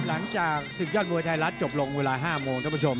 หลังจากศึกยอดมวยไทยรัฐจบลงเวลา๕โมงท่านผู้ชม